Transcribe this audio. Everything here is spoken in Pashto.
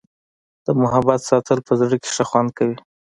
د محبت ساتل په زړه کي ښه خوند کوي.